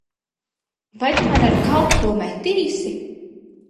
Vai tu man ar kaut ko metīsi?